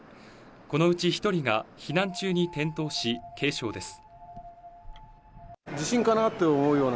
このうち１人が避難中に転倒し、軽傷です。